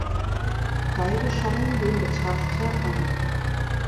Beide schauen den Betrachter an.